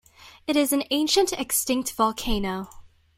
It is an ancient, extinct volcano.